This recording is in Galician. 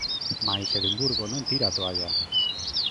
Mais Edimburgo non tira a toalla.